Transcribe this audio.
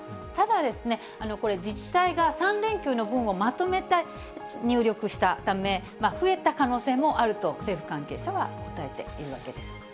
ただ、これ、自治体が３連休の分をまとめて入力したため、増えた可能性もあると、政府関係者は答えているわけです。